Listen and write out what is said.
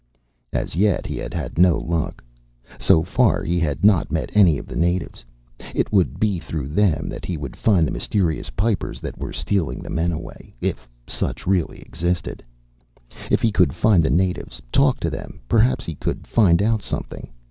As yet he had had no luck. So far he had not met any of the natives. It would be through them that he would find the mysterious Pipers that were stealing the men away, if such really existed. If he could find the natives, talk to them, perhaps he could find out something.